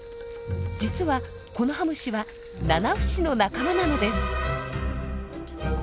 実はコノハムシはナナフシの仲間なのです。